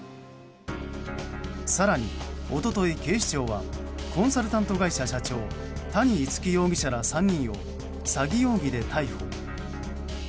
更に、一昨日警視庁はコンサルタント会社社長谷逸輝容疑者ら３人を詐欺容疑で逮捕。